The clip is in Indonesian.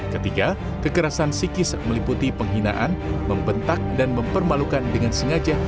ketiga kekerasan psikis meliputi penghinaan membentak dan mempermalukan dengan sengaja